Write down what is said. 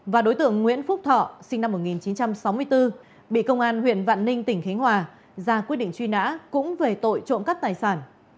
và đối tượng nguyễn phúc thọ sinh năm một nghìn chín trăm sáu mươi bốn bị công an huyện vạn ninh tỉnh khánh hòa ra quyết định truy nã cũng về tội trộm cắt tài sản